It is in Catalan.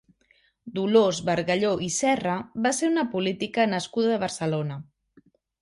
Dolors Bargalló i Serra va ser una política nascuda a Barcelona.